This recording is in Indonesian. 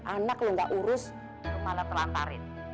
anak lu gak urus lu malah terlantarin